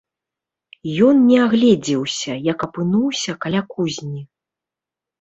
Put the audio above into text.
Ён не агледзеўся, як апынуўся каля кузні.